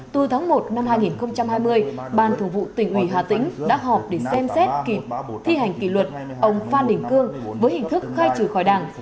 từ tháng một năm hai nghìn hai mươi ban thủ vụ tỉnh ủy hà tĩnh đã họp để xem xét thi hành kỷ luật ông phan đình cương với hình thức khai trừ khỏi đảng